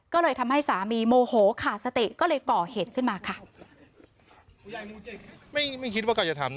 ก็เลยทำให้สามีโมโหขาดสติก็เลยก่อเหตุขึ้นมาค่ะ